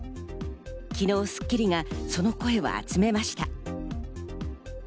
昨日『スッキリ』がその声を集めました。